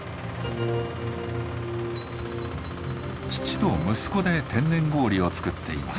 父と息子で天然氷を作っています。